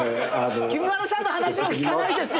きみまろさんの話も聞かないですよ